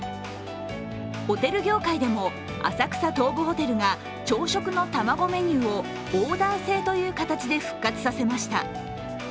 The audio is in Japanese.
ホテル業界でも浅草東武ホテルが朝食の卵メニューをオーダー制という形で復活させました。